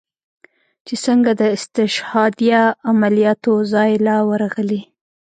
چې سنګه د استشهاديه عملياتو زاى له ورغلې.